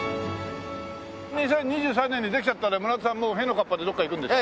２０２３年にできちゃったら村田さんもうへのかっぱでどこか行くんでしょ？